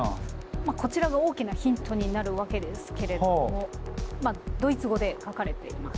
まあこちらが大きなヒントになるわけですけれどもドイツ語で書かれています。